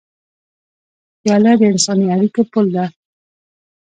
پیاله د انساني اړیکو پُل ده.